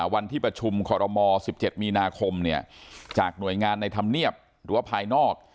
วันที่ประชุมคอรมอ๑๗มีนาคมจากหน่วยงานในธรรมเนียบหรือว่าภายนอก